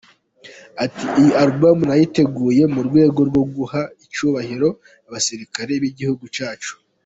Ati :”Iyi album nayiteguye mu rwego rwo guha icyubahiro abasirikare b’igihugu cyacu.